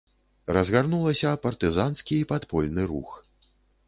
Разгарнулася партызанскі і падпольны рух.